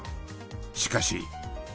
しかし。